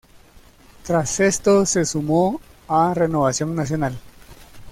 Tras esto se sumó a Renovación Nacional.